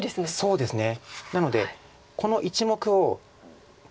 そうですね